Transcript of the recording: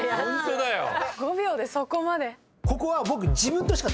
５秒でそこまで。